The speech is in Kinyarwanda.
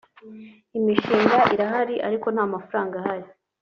imishinga irahari ariko nta mafaranga ahari